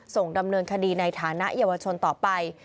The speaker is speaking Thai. ส่งดำเนินคดีในฐานะเยาวชนต่อไป